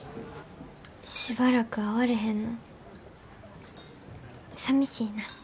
しばらく会われへんのさみしいな。